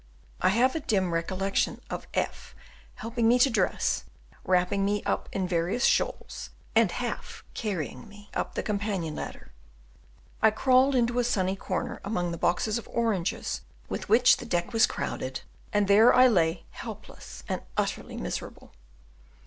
I have a dim recollection of F helping me to dress, wrapping me up in various shawls, and half carrying me up the companion ladder; I crawled into a sunny corner among the boxes of oranges with which the deck was crowded, and there I lay helpless and utterly miserable.